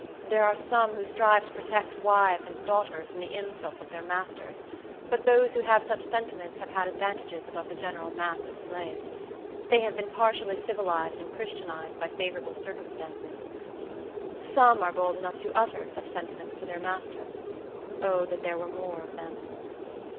There are some who strive to protect wives and daughters from the insults of their masters; but those who have such sentiments have had advantages above the general mass of slaves. They have been partially civilized and Christianized by favorable circumstances. Some are bold enough to utter such sentiments to their masters. O, that there were more of them!